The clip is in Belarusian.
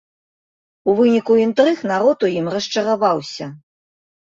У выніку інтрыг народ у ім расчараваўся.